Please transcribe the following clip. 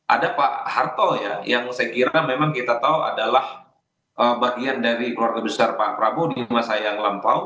ada pak harto ya yang saya kira memang kita tahu adalah bagian dari keluarga besar pak prabowo di masa yang lampau